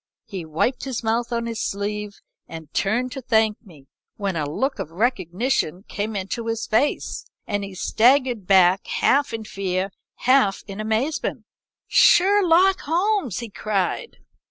He wiped his mouth on his sleeve and turned to thank me, when a look of recognition came into his face, and he staggered back half in fear and half in amazement. "'Sherlock Holmes!' he cried.